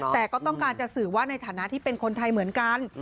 แต่ก็ต้องการจะสื่อว่าในฐานะที่เป็นคนไทยเหมือนกัน